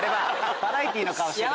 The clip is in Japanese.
バラエティーの顔してるな。